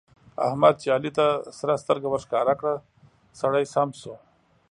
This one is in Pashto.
احمد چې علي ته سره سترګه ورښکاره کړه؛ سړی سم شو.